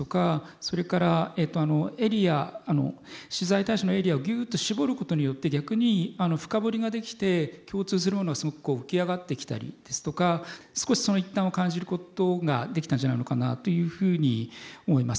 それから取材対象のエリアをギュッと絞ることによって逆に深掘りができて共通するものがすごく浮き上がってきたりですとか少しその一端を感じることができたんじゃないのかなというふうに思います。